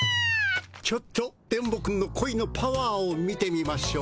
ちょっと電ボくんのこいのパワーを見てみましょう。